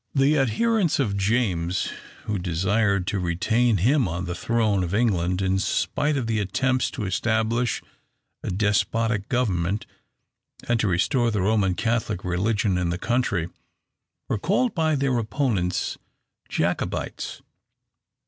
The adherents of James, who desired to retain him on the throne of England in spite of his attempts to establish a despotic government, and to restore the Roman Catholic religion in the country, were called by their opponents "Jacobites."